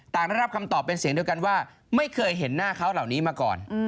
ได้รับคำตอบเป็นเสียงเดียวกันว่าไม่เคยเห็นหน้าเขาเหล่านี้มาก่อน